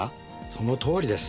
そのとおりです。